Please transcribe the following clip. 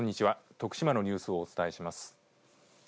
徳島のニュースをお伝えします。